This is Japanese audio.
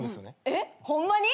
えっ！？ホンマに？